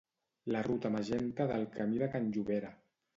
la ruta magenta del camí de can Llobera